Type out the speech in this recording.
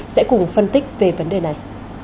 sẽ cùng phân tích về vấn đề này